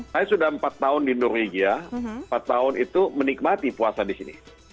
saya sudah empat tahun di norwegia empat tahun itu menikmati puasa di sini